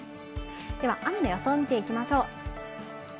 では雨の予想を見ていきましょう。